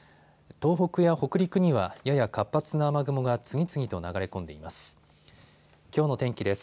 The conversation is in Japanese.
東北や北陸にはやや活発な雨雲が次々と流れ込んでいます。